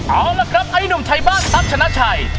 เอาล่ะครับไอ้หนุ่มไทยบ้านตั๊กชนะชัย